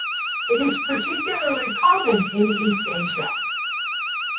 It is particularly common in East Asia.